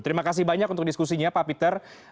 terima kasih banyak untuk diskusinya pak peter